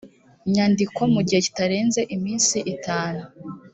nyandiko mu gihe kitarenze iminsi itanu